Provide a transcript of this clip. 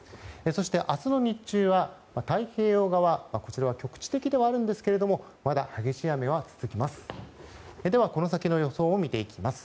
そして、明日の日中は太平洋側局地的ではあるんですがまだ激しい雨は続きます。